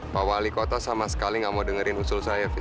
pak wali kota sama sekali gak mau dengerin husul saya fit